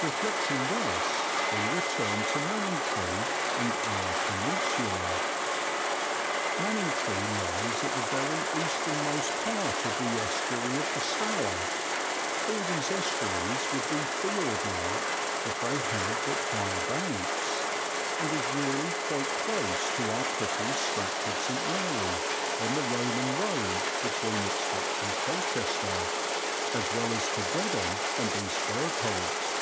Reflecting thus we return to Manningtree and our peninsula. Manningtree lies at the very easternmost part of the estuary of the Stour all these estuaries would be fjord like if they had but higher banks and is really quite close to our pretty Stratford St. Mary, on the Roman road between Ipswich and Colchester, as well as to Dedham and East Bergholt.